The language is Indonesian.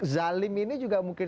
zalim ini juga mungkin